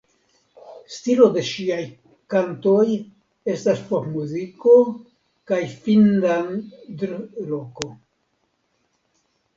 Stilo de ŝia kantoj estas popmuziko kaj finnlandroko.